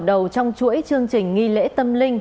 đầu trong chuỗi chương trình nghi lễ tâm linh